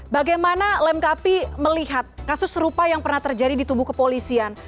bagaimana lemkapi melihat kasus serupa yang pernah terjadi di tubuh kepolisian